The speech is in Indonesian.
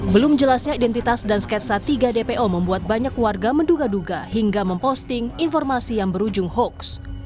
belum jelasnya identitas dan sketsa tiga dpo membuat banyak warga menduga duga hingga memposting informasi yang berujung hoax